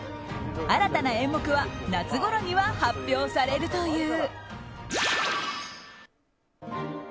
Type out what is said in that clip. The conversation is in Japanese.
新たな演目は夏ごろには発表されるという。